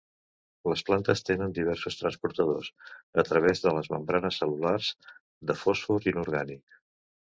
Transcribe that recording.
Les plantes tenen diversos transportadors, a través de les membranes cel·lulars, de fòsfor inorgànic.